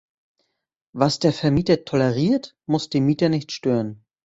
Was der Vermieter toleriert, muss den Mieter nicht stören.